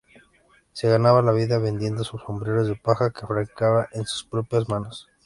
Se ganaban la vida vendiendo sombreros de paja que fabricaban con sus propias manos.